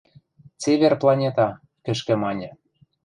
— Цевер планета, — кӹшкӹ маньӹ.